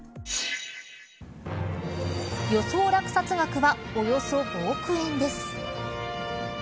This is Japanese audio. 予想落札額はおよそ５億円です。